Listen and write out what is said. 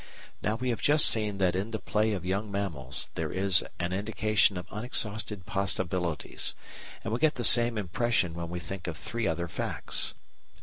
Now we have just seen that in the play of young mammals there is an indication of unexhausted possibilities, and we get the same impression when we think of three other facts.